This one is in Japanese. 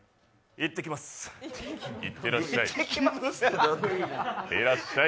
いってらっしゃい。